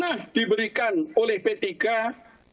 bahwa p tiga akan melakukan